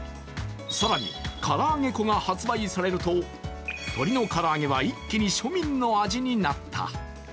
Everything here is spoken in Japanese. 更に、唐揚げ粉が発売されると鶏の唐揚げは一気に庶民の味になった。